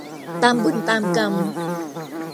ตามบุญตามกรรม